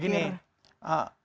bisa cuma kan begini